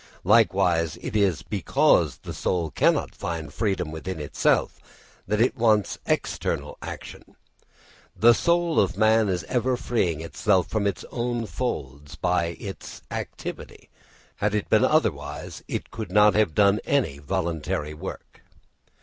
Likewise it is because the soul cannot find freedom within itself that it wants external action. The soul of man is ever freeing itself from its own folds by its activity; had it been otherwise it could not have done any voluntary work.